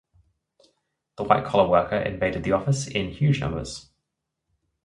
The white-collar worker invaded the office in huge numbers.